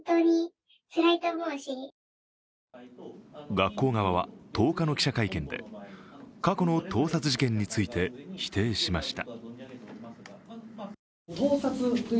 学校側は１０日の記者会見で過去の盗撮事件について否定しました。